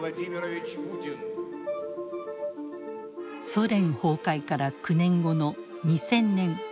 ソ連崩壊から９年後の２０００年。